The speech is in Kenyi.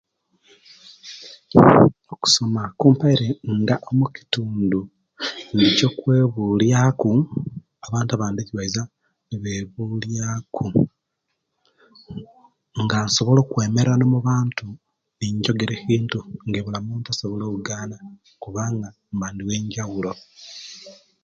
Okusoma kumpaire nga omu'kitundu ndi ekye'kwebulyaku abantu abandi ejibaiza ne'bebulyaku nga nsobola okwemerera omu'bantu ni'njogera ebintu nga ebula muntu asobola ogaana kubanga mba ndi wejawulo